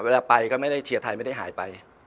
เวลาไปก็ไม่ได้เชียร์ไทยไม่ได้หายไป